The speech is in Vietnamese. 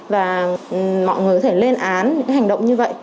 và mọi người có thể lên án những hành động như vậy